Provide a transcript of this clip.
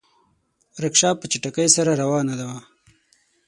رکشه په چټکۍ سره روانه وه.